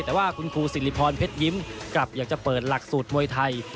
แต่ว่าคุณครูสิริพรเพชรยิ้มกลับอยากจะเปิดหลักสูตรมวยไทย